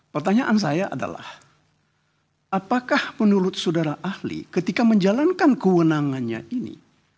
pertanyaan saya adalah apakah menurut saudara ahli ketika menjalankan kewenangannya ini